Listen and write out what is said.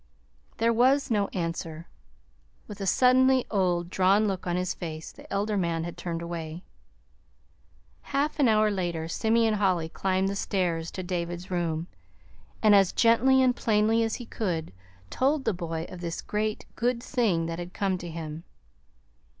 There was no answer. With a suddenly old, drawn look on his face, the elder man had turned away. Half an hour later Simeon Holly climbed the stairs to David's room, and as gently and plainly as he could told the boy of this great, good thing that had come to him.